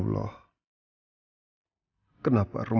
jadi kapan sih